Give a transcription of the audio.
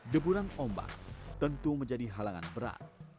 deburan ombak tentu menjadi halangan berat